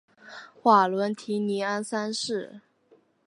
瓦伦提尼安三世。